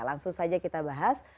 langsung saja kita bahas